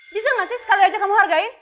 bisa gak sih sekali aja kamu hargai